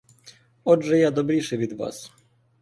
Отже я добріший від вас.